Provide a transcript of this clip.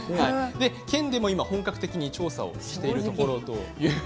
県でも本格的に調査をしているところです。